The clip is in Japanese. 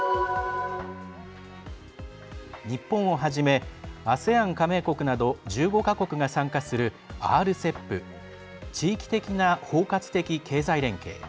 日本をはじめＡＳＥＡＮ加盟国など１５か国が参加するＲＣＥＰ＝地域的な包括的経済連携。